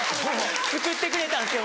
つくってくれたんですよ